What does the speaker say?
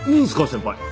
先輩。